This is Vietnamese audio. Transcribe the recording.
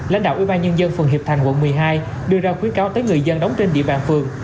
lãnh đạo ubnd phường hiệp thành quận một mươi hai đưa ra khuyến cáo tới người dân đóng trên địa bàn phường